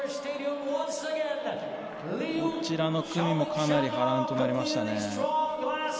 どちらの組もかなり波乱となりましたね。